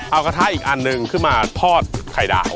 เอากระทะอีกอันหนึ่งขึ้นมาทอดไข่ดาว